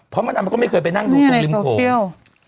เพราะมันก็ไม่เคยไปนั่งตรงริมโขง